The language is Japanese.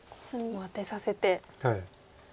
もうアテさせて。